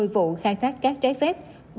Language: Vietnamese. một mươi vụ khai thác cát trái phép